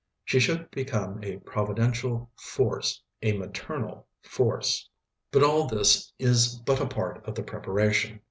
She should become a providential "force," a maternal "force." But all this is but a part of the "preparation."